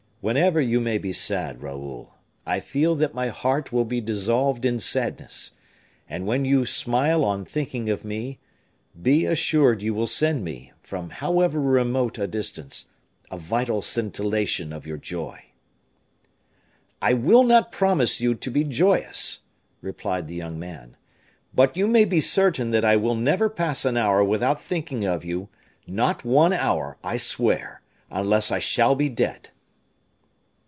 Whenever you may be sad, Raoul, I feel that my heart will be dissolved in sadness; and when you smile on thinking of me, be assured you will send me, from however remote a distance, a vital scintillation of your joy." "I will not promise you to be joyous," replied the young man; "but you may be certain that I will never pass an hour without thinking of you, not one hour, I swear, unless I shall be dead."